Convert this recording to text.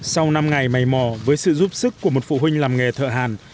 sau năm ngày mây mò với sự giúp sức của một phụ huynh làm nghề thợ hàn